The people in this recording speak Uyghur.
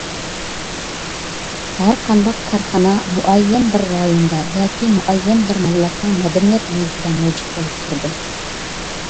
ھەر قانداق كارخانا مۇئەييەن بىر رايوندا ياكى مۇئەييەن بىر مىللەتنىڭ مەدەنىيەت مۇھىتىدا مەۋجۇت بولۇپ تۇرىدۇ.